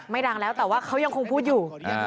ดังแล้วแต่ว่าเขายังคงพูดอยู่